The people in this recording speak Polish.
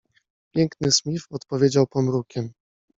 Piękny Smith odpowiedział pomrukiem.